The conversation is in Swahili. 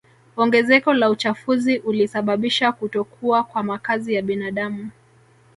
Ongezeko la uchafuzi ulisababisha kutokuwa kwa makazi ya binadamu